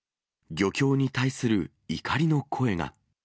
漁協に対する怒りの声が。